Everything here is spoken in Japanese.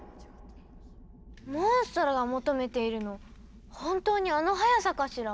モンストロが求めているの本当にあの速さかしら？